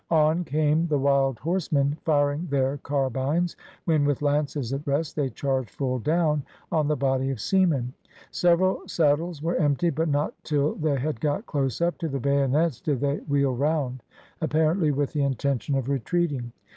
On came the wild horsemen firing their carbines, when, with lances at rest, they charged full down on the body of seamen. Several saddles were emptied, but not till they had got close up to the bayonets did they wheel round, apparently with the intention of retreating.